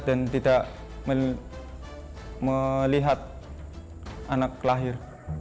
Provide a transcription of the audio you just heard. dan tidak melihat anak kelahir